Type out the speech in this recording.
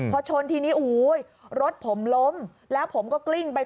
พอชนทีนี้โอ้โหรถผมล้มแล้วผมก็กลิ้งไป